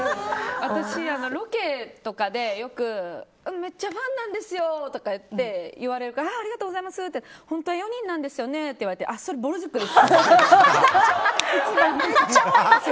私ロケとかでよくめっちゃファンなんですよとか言われるとありがとうございますって本当は４人なんですよねってあ、それぼる塾ですって。